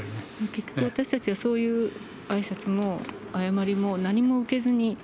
結局私たちは、そういうあいさつも謝りも何も受けずに。